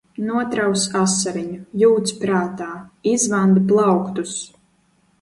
Notraus asariņu. Jūc prātā. Izvandi plauktus!